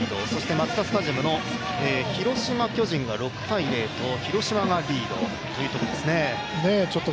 マツダスタジアムの広島×巨人が６−０と広島がリードというところですね。